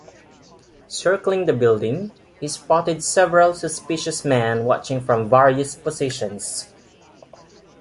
Circling the building, he spotted several suspicious men watching from various positions.